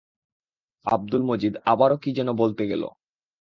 আব্দুল মজিদ আবারো কী যেন বলতে গেল।